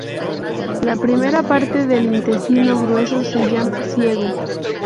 La primera parte del intestino grueso se llama ciego.